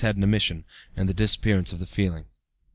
had an emission, and the disappearance of the feeling.)